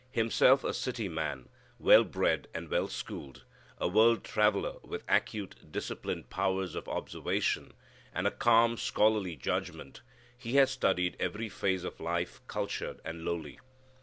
Himself a city man, well bred and well schooled, a world traveller, with acute, disciplined powers of observation, and a calm scholarly judgment, he had studied every phase of life cultured and lowly.